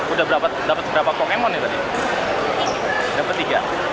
udah dapat berapa pokemon ini tadi dapat tiga